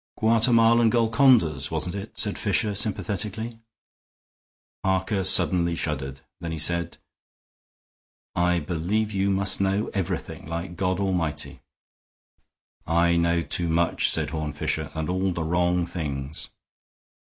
"Guatemalan Golcondas, wasn't it?" said Fisher, sympathetically. Harker suddenly shuddered. Then he said, "I believe you must know everything, like God Almighty." "I know too much," said Horne Fisher, "and all the wrong things."